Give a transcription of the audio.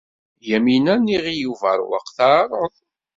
Yamina n Yiɣil Ubeṛwaq teɛreḍ.